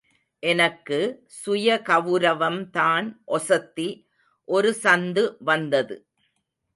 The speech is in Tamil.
எனக்கு சுயகவுரவம்தான் ஒசத்தி ஒரு சந்து வந்தது.